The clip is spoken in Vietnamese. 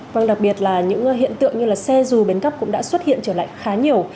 vâng đặc biệt là những hiện tượng như là xe dù bến cóc cũng đã xuất hiện trở lại khá nhiều